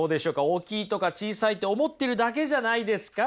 大きいとか小さいって思ってるだけじゃないですか？